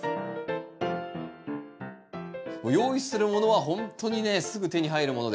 用意するものはほんとにねすぐ手に入るものです。